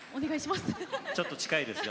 ちょっと近いですよ。